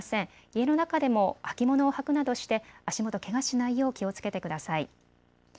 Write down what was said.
家の中でも履物を履くなどして足元、けがしないよう気をつけてください。